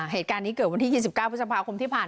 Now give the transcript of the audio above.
เหตุการณ์นี้เกิดวันที่๒๙พฤษภาคมที่ผ่าน